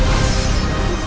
aku akan menang